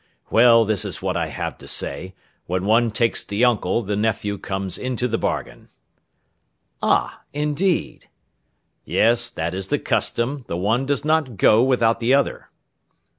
"Well, this is what I have to say, when one takes the uncle, the nephew comes into the bargain." "Ah! indeed!" "Yes, that is the custom, the one does not go without the other."